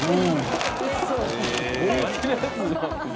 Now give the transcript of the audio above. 本気のやつだ。